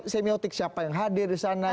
semiotik siapa yang hadir disana